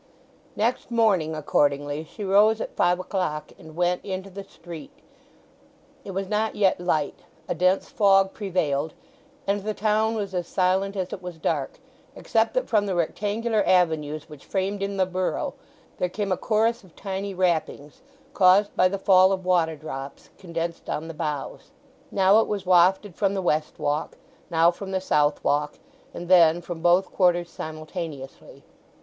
Next morning, accordingly, she rose at five o'clock and went into the street. It was not yet light; a dense fog prevailed, and the town was as silent as it was dark, except that from the rectangular avenues which framed in the borough there came a chorus of tiny rappings, caused by the fall of water drops condensed on the boughs; now it was wafted from the West Walk, now from the South Walk; and then from both quarters simultaneously.